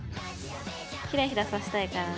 ひらひらさせたいからね。